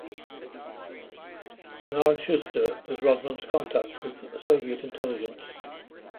Bernard Schuster was Rodman's contact with Soviet intelligence.